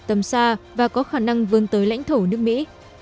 tầm xa và có khả năng vươn tới lãnh thổ nước mỹ